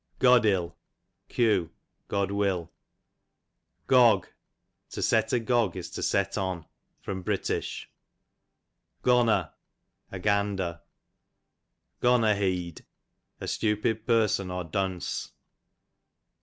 Goddil, q. God will. Gog, to set agog is to set on. Br. Gonner, a gander. Gonnerheead, a stupid person or dunce.